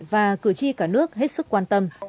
và cử tri cả nước hết sức quan tâm